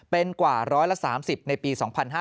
เป็นกว่าร้อยละ๓๐ในปี๒๕๕๘